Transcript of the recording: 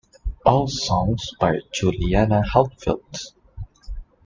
All songs by Juliana Hatfield.